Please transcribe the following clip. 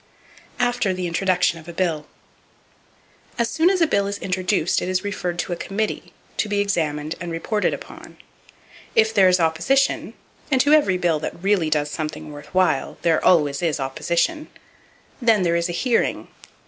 After The Introduction Of A Bill. —As soon as a bill is introduced it is referred to a committee, to be examined and reported upon. If there is opposition,—and to every bill that really does something worth while there always is opposition,—then there is a "hearing."